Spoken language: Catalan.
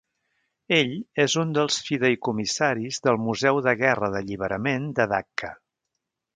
Ell és un dels fideïcomissaris del Museu de Guerra d'Alliberament de Dacca.